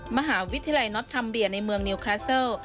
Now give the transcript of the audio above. มหาวิทยายนัตฑรรมเบียร์ในเมืองนิวคลาเซิล